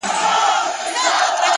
عاجزي د درنو انسانانو ځانګړنه ده؛